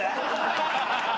ハハハハ。